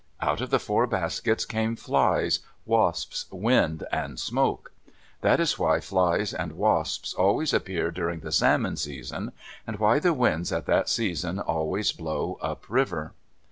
Out of the four baskets came flies, wasps, wind, and smoke. That is why flies and wasps always appear during the salmon season, and why the winds at that season always blow up river.